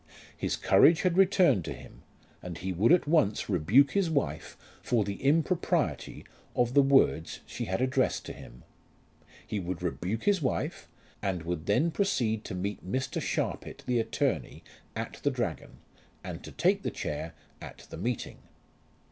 His courage had returned to him, and he would at once rebuke his wife for the impropriety of the words she had addressed to him. He would rebuke his wife, and would then proceed to meet Mr. Sharpit the attorney, at the Dragon, and to take the chair at the meeting.